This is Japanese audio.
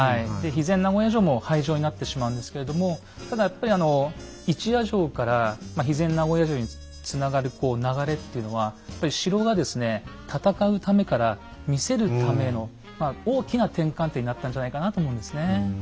肥前名護屋城も廃城になってしまうんですけれどもただやっぱりあの一夜城から肥前名護屋城につながるこう流れっていうのはやっぱり城がですね「戦うため」から「見せるため」のまあ大きな転換点になったんじゃないかなと思うんですね。